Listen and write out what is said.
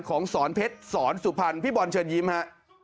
อีกโยงสำหรับสอนเพชรสอนสุพันธุ์พี่บอลเชิญยิ้มค่ะ